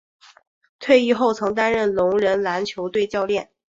退役后曾担任聋人篮球队教练。